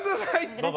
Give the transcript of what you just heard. どうぞ。